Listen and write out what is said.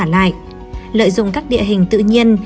lợi dụng các địa hình tự nhiên